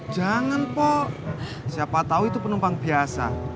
jangan pok siapa tau itu penumpang biasa